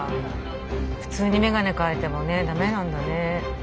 普通に眼鏡替えてもねダメなんだね。